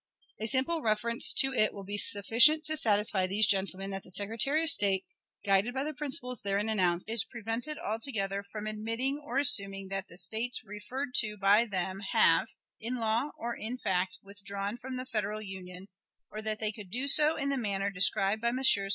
A simple reference to it will be sufficient to satisfy these gentlemen that the Secretary of State, guided by the principles therein announced, is prevented altogether from admitting or assuming that the States referred to by them have, in law or in fact, withdrawn from the Federal Union, or that they could do so in the manner described by Messrs.